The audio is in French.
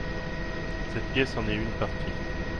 Cette pièce en est une partie.